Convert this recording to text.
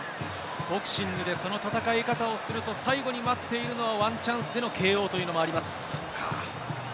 ボクシングでその戦い方をすると、最後に待っているのはワンチャンスでのＫＯというのもあります。